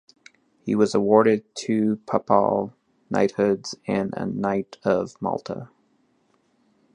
He was awarded two papal knighthoods and was a Knight of Malta.